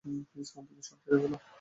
Please মন থেকে সব ঝেড়ে ফেলো!